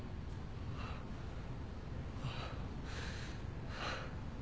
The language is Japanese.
ああ。